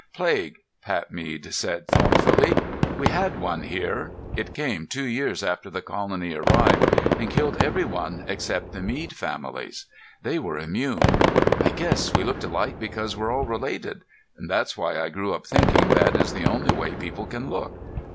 "Plague," Pat Mead said thoughtfully. "We had one here. It came two years after the colony arrived and killed everyone except the Mead families. They were immune. I guess we look alike because we're all related, and that's why I grew up thinking that it is the only way people can look."